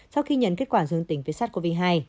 sau khi nhận kết quả dương tính với sars cov hai